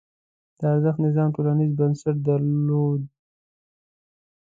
د ارزښت نظام ټولنیز بنسټ درلود.